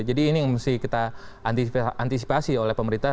jadi ini yang mesti kita antisipasi oleh pemerintah